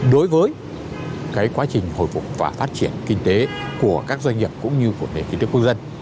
đối với quá trình hồi phục và phát triển kinh tế của các doanh nghiệp cũng như của nền kinh tế quốc dân